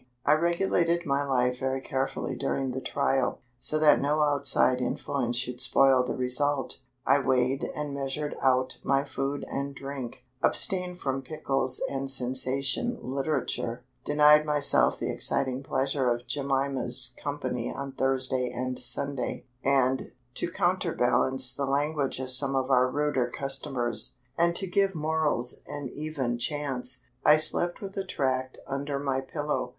I regulated my life very carefully during the trial, so that no outside influence should spoil the result. I weighed and measured out my food and drink, abstained from pickles and sensation literature, denied myself the exciting pleasure of Jemima's company on Thursday and Sunday, and, to counterbalance the language of some of our ruder customers, and to give morals an even chance, I slept with a tract under my pillow.